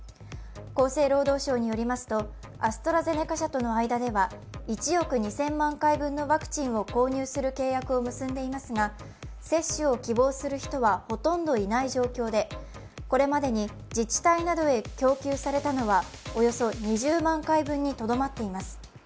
厚生労働省によりますとアストラゼネカ社との間では１億２０００万回分のワクチンを購入する契約を結んでいますが接種を希望する人はほとんどいない状況でこれまでに自治体などへ供給されたのはおよそ２０万回分にとどまっています。